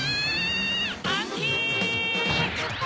アンキック！